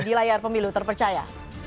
di layar pemilu terpercaya